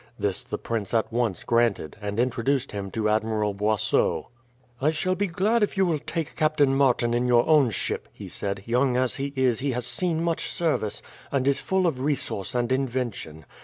This the prince at once granted, and introduced him to Admiral Boisot. "I shall be glad if you will take Captain Martin in your own ship," he said. "Young as he is he has seen much service, and is full of resource and invention.